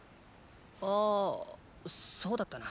あぁそうだったな。